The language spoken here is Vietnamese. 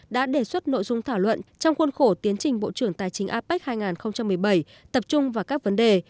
đã đề xuất nội dung thảo luận trong khuôn khổ tiến trình bộ trưởng tài chính apec hai nghìn một mươi bảy tập trung vào các vấn đề